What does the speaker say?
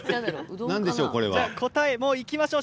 答えいきましょう。